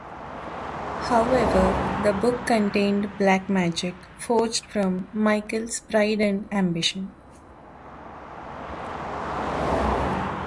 However, the book contained black magic forged from Michael's pride and ambition.